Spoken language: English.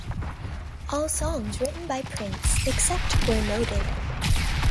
All songs written by Prince except where noted.